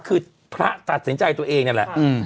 คือพระตัดสินใจตัวเองนี่แหละ